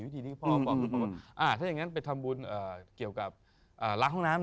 ถ้าอย่างงั้นไปทำบุญเกี่ยวกับรักห้องน้ำ